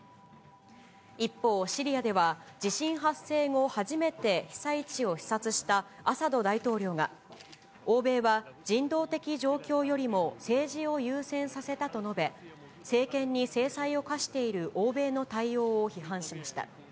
一方、シリアでは、地震発生後初めて被災地を視察したアサド大統領が、欧米は人道的状況よりも政治を優先させたと述べ、政権に制裁を科している欧米の対応を批判しました。